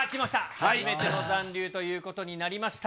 初めての残留ということになりました。